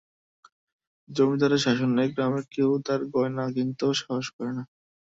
জমিদারের শাসনে গ্রামের কেউ তার গয়না কিনতেও সাহস করে না।